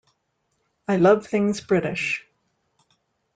I love things British.